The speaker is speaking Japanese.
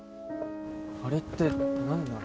あれって何なの？